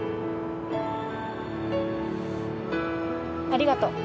ありがとう。